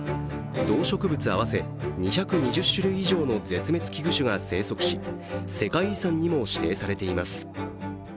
動植物合わせ２２０種類以上の絶滅危惧種が生息し世界遺産にも指定されています。